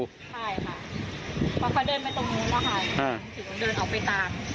ใช่ค่ะเพราะเขาเดินไปตรงนู้นแล้วค่ะ